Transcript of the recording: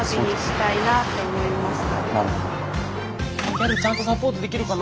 ギャルちゃんとサポートできるかな。